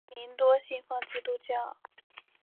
居民多信奉基督教。